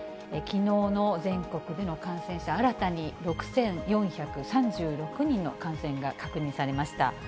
きのうの全国での感染者、新たに６４３６人の感染が確認されました。